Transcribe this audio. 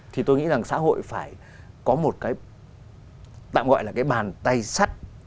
thì tôi nghĩ rằng xã hội phải có một cái tạm gọi là cái bàn tay sắt